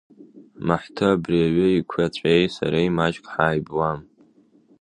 Маҳҭы, абри аҩы еиқәаҵәеи сареи маҷк ҳааибуам.